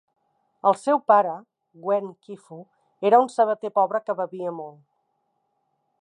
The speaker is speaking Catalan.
El seu pare, Wen Qifu, era un sabater pobre que bevia molt.